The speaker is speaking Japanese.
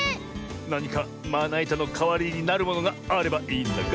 なにかまないたのかわりになるものがあればいいんだが。